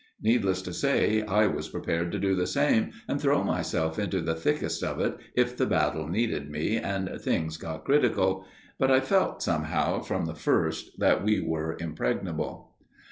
Needless to say, I was prepared to do the same, and throw myself into the thickest of it if the battle needed me and things got critical. But I felt, somehow, from the first that we were impregnable.